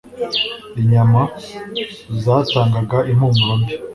Inyama zatangaga impumuro mbi.